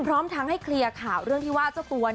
พร้อมทั้งให้เคลียร์ข่าวเรื่องที่ว่าเจ้าตัว